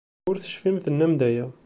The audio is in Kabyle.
Ur tecfim tennam-d aya.